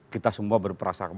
kita semua berperasa